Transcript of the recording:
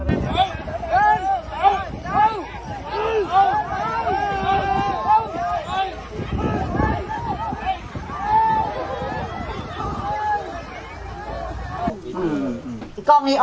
เนื้อยังสวยนะ